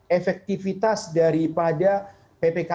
efektivitas daripada ppkm darurat ini harus mampu kita rasakan